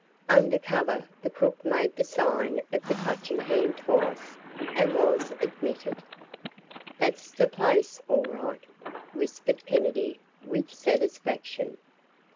Under cover, the crook made the sign of the clutching hand twice and was admitted. "That's the place, all right," whispered Kennedy with satisfaction.